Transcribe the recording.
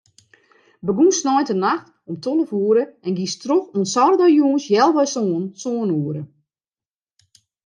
Begûnst sneintenachts om tolve oere en giest troch oant saterdeitejûns healwei sânen, sân oere.